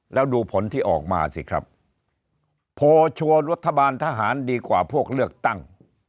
แล้วดูผลที่ออกมาสิครับโพลชัวร์รัฐบาลทหารดีกว่าพวกเลือกตั้ง